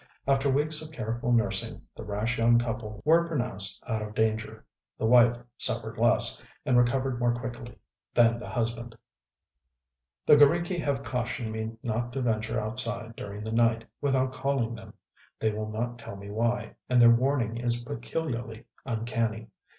After weeks of careful nursing, the rash young couple were pronounced out of danger. The wife suffered less, and recovered more quickly, than the husband. The g┼Źriki have cautioned me not to venture outside during the night without calling them. They will not tell me why; and their warning is peculiarly uncanny.